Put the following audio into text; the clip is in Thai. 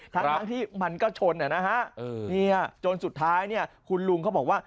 ทั้งทั้งที่มันก็ชนเนี้ยนะฮะนี่จนสุดท้ายเนี้ยคุณลุงเขาบอกว่า